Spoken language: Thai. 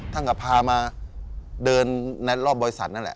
ท่านก็พามาเดินในรอบบริษัทนั่นแหละ